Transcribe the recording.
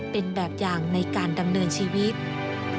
เป็นแบบอย่างในการดำเนินชีวิต